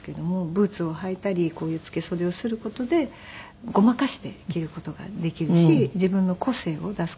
ブーツを履いたりこういう付け袖をする事でごまかして着る事ができるし自分の個性を出す事もできる。